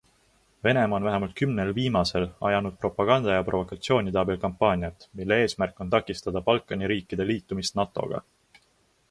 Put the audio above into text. Venemaa on vähemalt kümnel viimasel ajanud propaganda ja provokatsioonide abil kampaaniat, mille eesmärk on takistada Balkani riikide liitumist NATOga.